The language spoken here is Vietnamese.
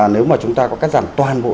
nếu mà chúng ta có cắt giảm toàn bộ